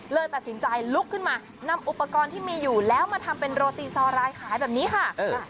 เลยตัดสินใจลุกขึ้นมานำอุปกรณ์ที่มีอยู่แล้วมาทำเป็นโรตีซอรายขายแบบนี้ค่ะ